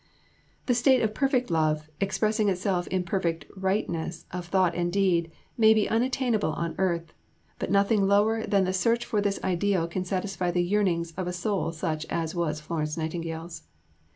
The state of perfect love, expressing itself in perfect rightness of thought and deed, may be unattainable on earth, but nothing lower than the search for this ideal can satisfy the yearnings of a soul such as was Florence Nightingale's.